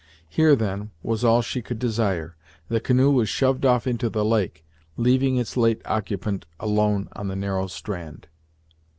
Here, then, was all she could desire; the canoe was shoved off into the lake, leaving its late occupant alone on the narrow strand.